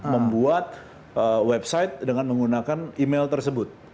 membuat website dengan menggunakan email tersebut